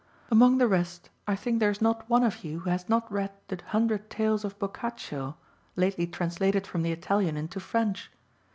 Among the rest, I think there is not one of you who has not read the Hundred Tales of Boccaccio, (11) lately translated from the Italian into French.